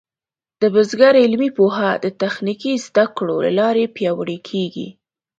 د بزګر علمي پوهه د تخنیکي زده کړو له لارې پیاوړې کېږي.